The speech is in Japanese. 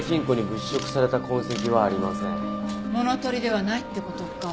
物取りではないって事か。